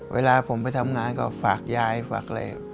เวลาผมไปทำงานก็ฝากยายฝากอะไร